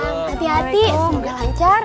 hati hati semoga lancar